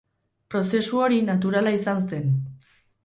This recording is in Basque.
Prozesu hori naturala izan zen.